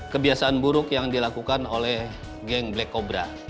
kebiasaan buruk yang dilakukan oleh geng black cobra